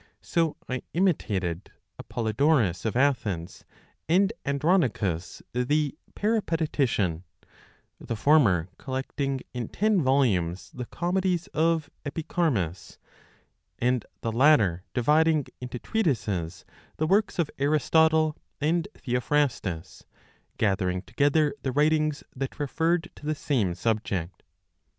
So I imitated Apollodorus of Athens, and Andronicus the Peripatetician, the former collecting in ten volumes the comedies of Epicharmus, and the latter dividing into treatises the works of Aristotle and Theophrastus, gathering together the writings that referred to the same subject.